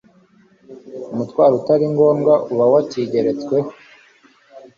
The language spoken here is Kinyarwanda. umutwaro utari ngombwa uba wakigeretsweho.